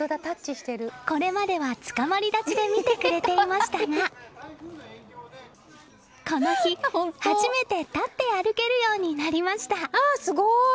これまでは、つかまり立ちで見てくれていましたがこの日、初めて立って歩けるようになりました。